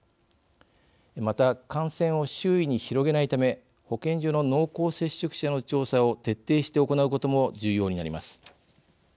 また、感染を周囲に広げないため保健所の濃厚接触者の調査を徹底して行うことも重要になります。